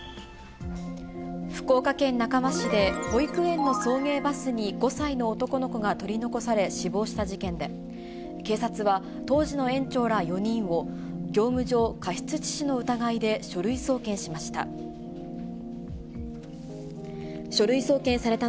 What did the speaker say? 福岡県中間市で、保育園の送迎バスに５歳の男の子が取り残され死亡した事件で、警察は、当時の園長ら４人を業務上過失致死の疑いで書類送検しました。